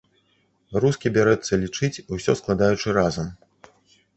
Рускі бярэцца лічыць, усё складаючы разам.